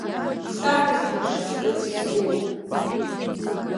Саҳәызба шыскыц искуп.